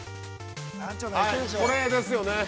◆これですよね。